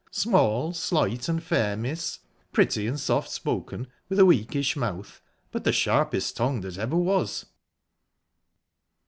"Small, slight, and fair, miss; pretty and soft spoken, with a weakish mouth, but the sharpest tongue that ever was."